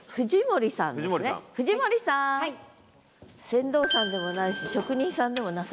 船頭さんでもないし職人さんでもなさそうですね。